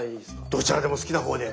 どちらでも好きな方で。